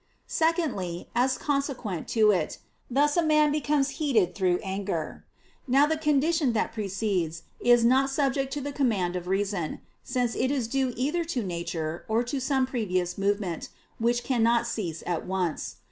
Secondly, as consequent to it: thus a man becomes heated through anger. Now the condition that precedes, is not subject to the command of reason: since it is due either to nature, or to some previous movement, which cannot cease at once.